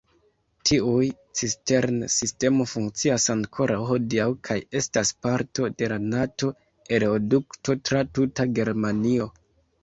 Tiu cistern-sistemo funkcias ankoraŭ hodiaŭ kaj estas parto de la Nato-oleodukto tra tuta Germanio.